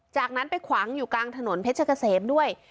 จากนั้นไปขวางอยู่กลางถนนเพชรเกษมด้วย